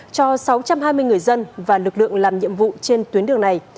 cho sáu trăm hai mươi người dân và lực lượng làm nhiệm vụ trên tuyến đường này